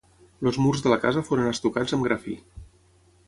Els murs de la casa foren estucats amb gra fi.